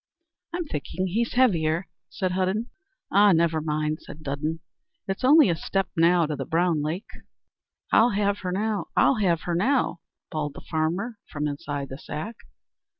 "I'm thinking he's heavier," said Hudden. "Ah, never mind," said Dudden; "it's only a step now to the Brown Lake." "I'll have her now! I'll have her now!" bawled the farmer, from inside the sack.